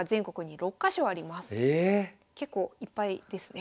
結構いっぱいですね。